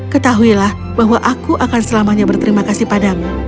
ketahuilah bahwa aku akan selamanya berterima kasih padamu